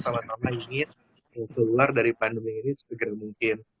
sama sama ingin keluar dari pandemi ini segera mungkin